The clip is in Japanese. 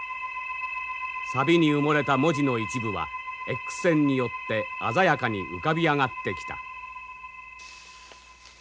錆に埋もれた文字の一部はＸ線によって鮮やかに浮かび上がってきた。